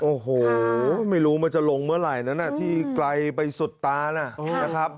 โอ้โหไม่รู้มันจะลงเมื่อไหร่นั้นที่ไกลไปสุดตานะครับ